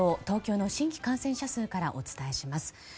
東京の新規感染者数からお伝えします。